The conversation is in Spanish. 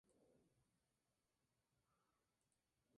Michael Levy fue más tarde sentenciado a cuatro años.